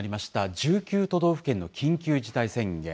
１９都道府県の緊急事態宣言。